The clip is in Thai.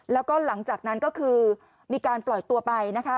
แล้วก็หลังจากนั้นก็คือมีการปล่อยตัวไปนะคะ